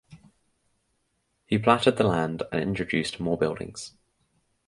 He platted the land and introduced more buildings.